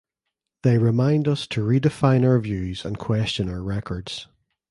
They remind us to redefine our views and question our records.